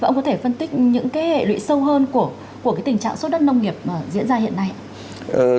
và ông có thể phân tích những cái hệ lụy sâu hơn của cái tình trạng sốt đất nông nghiệp mà diễn ra hiện nay ạ